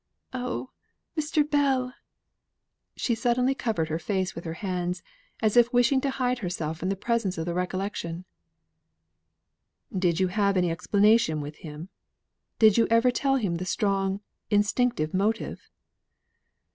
Oh, Mr. Bell!" She suddenly covered her face with her hands, as if wishing to hide herself from the presence of the recollection. "Did you have any explanation with him? Did you ever tell him the strong, instinctive motive?"